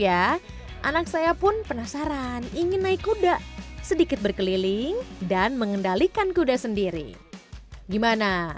ya anak saya pun penasaran ingin naik kuda sedikit berkeliling dan mengendalikan kuda sendiri gimana